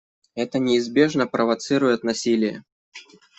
Это неизбежно провоцирует насилие.